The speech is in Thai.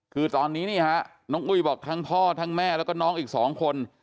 คือตอนนี้นี่ฮะน้องอุ้ยบอกทั้งพ่อทั้งแม่แล้วก็น้องอีก๒คน